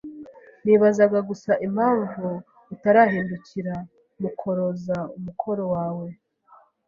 Nibazaga gusa impamvu utarahindukira mukoroza umukoro wawe.